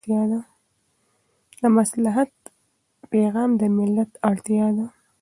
د مصالحت پېغام د ملت اړتیا ده.